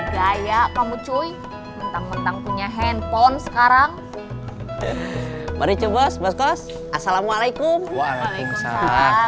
gaya kamu cuy mentang mentang punya handphone sekarang mari coba sebatas assalamualaikum waalaikumsalam